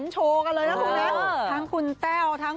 จริง